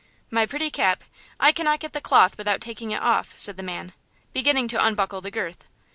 "My pretty Cap, I cannot get the cloth without taking it off," said the man, beginning to unbuckle the girth.